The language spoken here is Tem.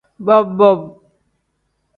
Bob-bob.